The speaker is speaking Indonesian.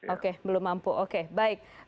oke belum mampu oke baik